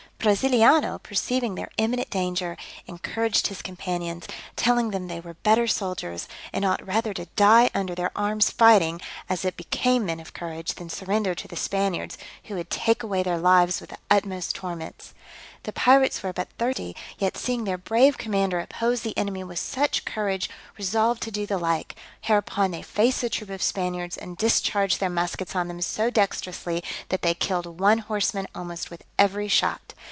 Brasiliano, perceiving their imminent danger, encouraged his companions, telling them they were better soldiers, and ought rather to die under their arms fighting, as it became men of courage, than surrender to the Spaniards, who would take away their lives with the utmost torments. The pirates were but thirty; yet, seeing their brave commander oppose the enemy with such courage, resolved to do the like: hereupon they faced the troop of Spaniards, and discharged their muskets on them so dextrously, that they killed one horseman almost with every shot.